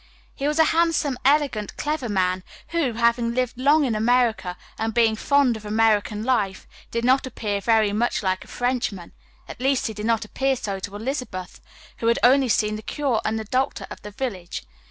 He was a handsome, elegant, clever man, who, having lived long in America and being fond of American life, did not appear very much like a Frenchman at least he did not appear so to Elizabeth, who had only seen the curé and the doctor of the village.